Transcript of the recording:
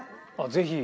ぜひ。